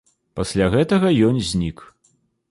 Пасля гэтага ён знік.